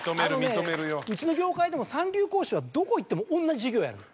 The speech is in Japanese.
うちの業界でも三流講師はどこ行っても同じ授業やるの。